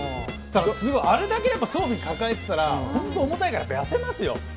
あれだけの装備を抱えてたら重たいから、痩せますよ。